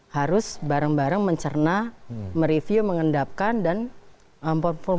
harus bareng bareng mencerna mereview mengendapkan dan memperbaiki